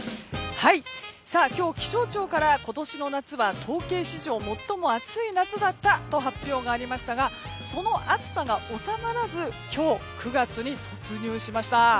今日、気象庁から今年の夏は統計史上最も暑い夏だったと発表がありましたがその暑さが収まらず今日９月に突入しました。